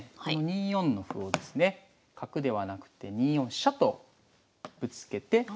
この２四の歩をですね角ではなくて２四飛車とぶつけて。